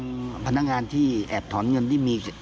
แล้วทางพนักงานที่แอบถอนเงินส่วนบุก